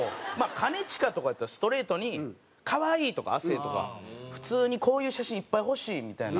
兼近とかやったらストレートに「可愛い」とか亜生とか。普通に「こういう写真いっぱい欲しい」みたいな。